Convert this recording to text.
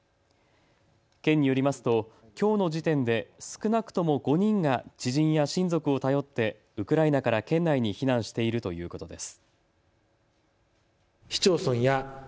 県によりますと、きょうの時点で少なくとも５人が知人や親族を頼ってウクライナから県内に避難しているということです。